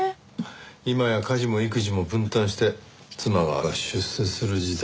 今や家事も育児も分担して妻が出世する時代。